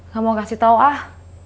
kamu kasih tau ah